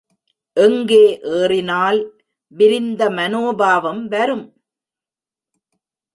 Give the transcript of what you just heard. எங்கே ஏறினால் விரிந்த மனோபாவம் வரும்?